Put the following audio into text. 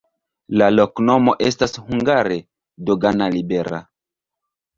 La loknomo estas hungare: dogana-libera.